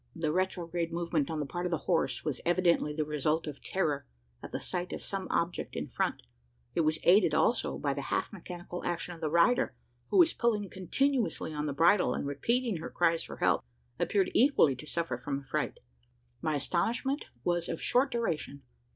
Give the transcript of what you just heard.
The retrograde movement on the part of the horse was evidently the result of terror, at the sight of some object in front. It was aided also by the half mechanical action of the rider: who, pulling continuously on the bridle, and repeating her cries for help, appeared equally to suffer from affright! My astonishment was of short duration.